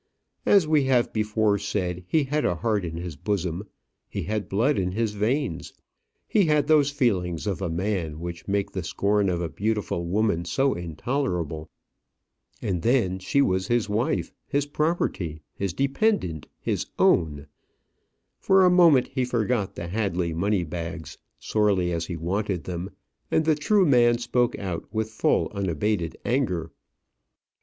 As we have before said, he had a heart in his bosom; he had blood in his veins; he had those feelings of a man which make the scorn of a beautiful woman so intolerable. And then she was his wife, his property, his dependent, his own. For a moment he forgot the Hadley money bags, sorely as he wanted them, and the true man spoke out with full, unabated anger.